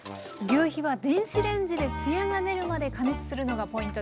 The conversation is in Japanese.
ぎゅうひは電子レンジでつやが出るまで加熱するのがポイントでした。